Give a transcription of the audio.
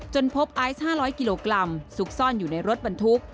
พบไอซ์๕๐๐กิโลกรัมซุกซ่อนอยู่ในรถบรรทุก